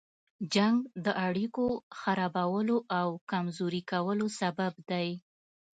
جنګ د اړيکو خرابولو او کمزوري کولو سبب دی.